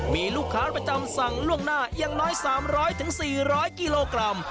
มีลูกค้าประจำสั่งล่วงหน้าอย่างน้อย๓๐๐๔๐๐กิโลกรัม